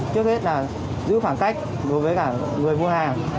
trước hết là giữ khoảng cách đối với cả người mua hàng